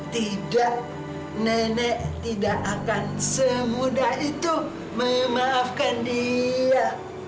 tidak nenek tidak akan semudah itu memaafkan dia